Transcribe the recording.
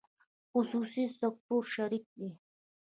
خصوصي سکتور شریک دی